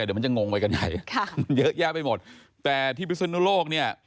เดี๋ยวมันจะงงไปกันใหญ่ค่ะมันเยอะแยะไปหมดแต่ที่พิศนุโลกเนี่ย